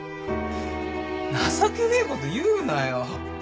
情けねえこと言うなよ。